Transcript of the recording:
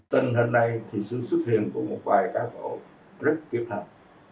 tình hình này thì sự xuất hiện của một vài ca cổ rất kiếp hẳn